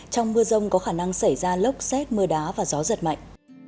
trong mưa rông có khả năng xảy ra lốc xét mưa đá và gió giật mạnh